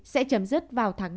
sẽ chấm dứt vào tháng năm